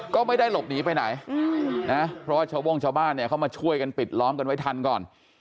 ก็ไม่ได้หลบหนีไปไหนนะเพราะว่าชาวโม่งชาวบ้านเนี่ยเขามาช่วยกันปิดล้อมกันไว้ทันก่อน